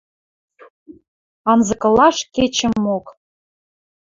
Анзыкылаш кечӹмок